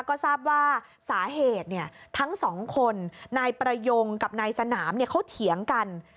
ก็ทราบว่าสาเหตุทั้งสองคนนายประยงกับนายสนามเขาเถียงกัน